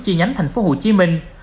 chi nhánh thành phố hồ chí minh